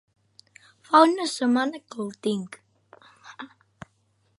Fa una setmana que el tinc.